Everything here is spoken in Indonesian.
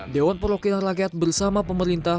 dewan perwakilan rakyat bersama pemerintah